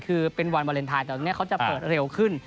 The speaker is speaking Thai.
คือเป็นวันวาเลนไทยแต่ตอนนี้เขาจะเปิดเร็วขึ้น